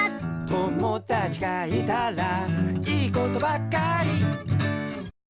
「友だちがいたらいいことばっかり」